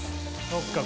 そっか